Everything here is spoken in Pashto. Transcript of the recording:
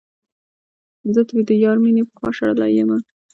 زه ترې د يار مينې پخوا شړلے يمه